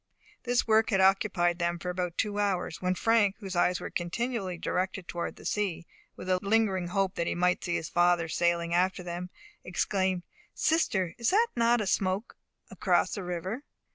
This work had occupied them about two hours, when Frank, whose eyes were continually directed towards the sea, with a lingering hope that he might see his father sailing after them, exclaimed, "Sister, is not that a smoke across the river?"